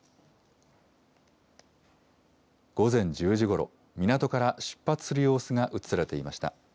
午前１０時ごろ、港から出発する様子が写されていました。